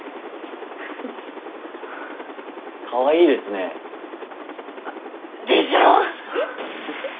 かわいいですね。でしょう？